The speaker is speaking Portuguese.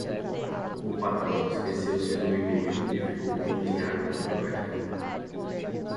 O patrão esqueceu-se do email e ficou tudo em águas de bacalhau.